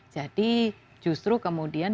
jadi justru kemudian